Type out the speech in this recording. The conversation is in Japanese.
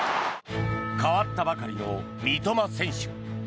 代わったばかりの三笘選手。